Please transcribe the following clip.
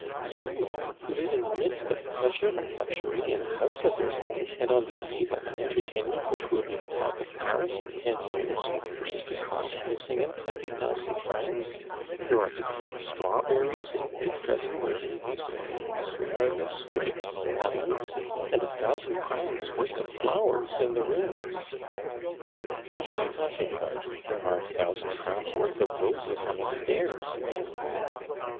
"You! who live in the midst of pleasure and luxury, in a house of your own? And on the eve of an entertainment which will be the talk of Paris for ten years which is to cost Nucingen twenty thousand francs! There are to be strawberries in mid February, they say, asparagus, grapes, melons! and a thousand crowns' worth of flowers in the rooms." "What are you talking about? There are a thousand crowns' worth of roses on the stairs alone."